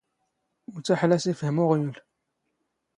ⵓⵜ ⴰⵃⵍⴰⵙ, ⵉⴼⵀⵎ ⵓⵖⵢⵓⵍ